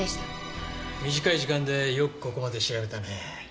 短い時間でよくここまで調べたねえ。